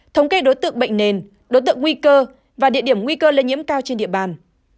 thống kê đối tượng bệnh nền đối tượng nguy cơ và địa điểm nguy cơ lây nhiễm cao trên địa bàn